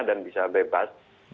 dan bisa bebas